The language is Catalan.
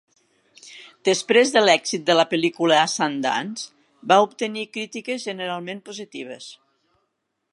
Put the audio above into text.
Després de l'èxit de la pel·lícula a Sundance, va obtenir crítiques generalment positives.